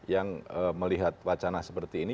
yang melihat wacana seperti ini